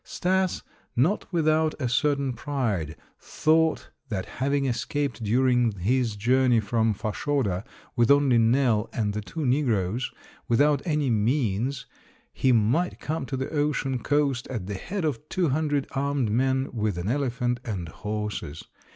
Stas, not without a certain pride, thought that having escaped during his journey from Fashoda with only Nell and the two negroes, without any means, he might come to the ocean coast at the head of two hundred armed men with an elephant and horses.